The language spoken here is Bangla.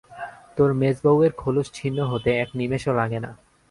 তোর মেজবউয়ের খোলস ছিন্ন হতে এক নিমেষও লাগে না।